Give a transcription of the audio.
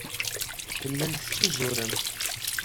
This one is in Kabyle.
Tellam tettuzurem.